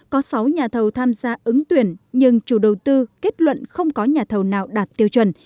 có sáu nhà thầu tham gia ứng tuyển nhưng chủ đầu tư kết luận không có nhà thầu nào đạt tiêu chuẩn